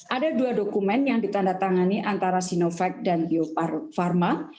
ada dua dokumen yang ditandatangani antara sinovac dan bio farma